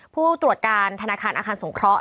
ผู้ตรวจการธนาคารอาคารสงเคราะห